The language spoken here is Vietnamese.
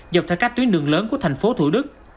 dọc theo cách tuyến đường lớn của tp thủ đức